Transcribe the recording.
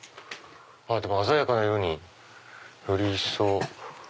でも鮮やかな色により一層。